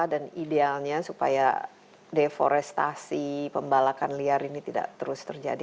dan idealnya supaya deforestasi pembalakan liar ini tidak terus terjadi